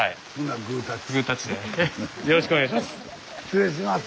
よろしくお願いします。